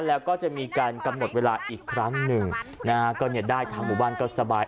แล้วก็จะมีการกำหนดเวลาอีกครั้งหนึ่งนะฮะก็เนี่ยได้ทางหมู่บ้านก็สบาย